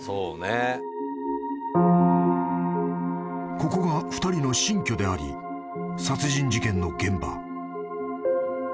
［ここが２人の新居であり殺人事件の現場］